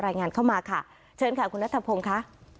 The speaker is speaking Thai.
รายงานเข้ามาค่ะเชิญค่ะคุณนัทพงศ์ค่ะ